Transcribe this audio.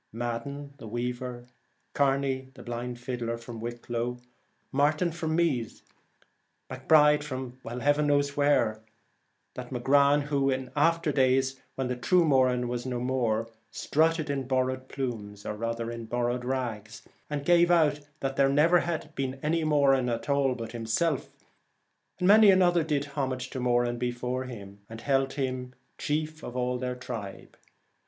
Madden, the weaver, Kearney, the blind fiddler from Wicklow, Martin from Meath, M' Bride from heaven knows where, and that M'Grane, who in after days, when the true Moran was no more, strutted in 79 The borrowed plumes, or rather in borrowed Twilight. ra g s > an d gave out that there had never been any Moran but himself, and many another, did homage before him, and held him chief of all their tribe.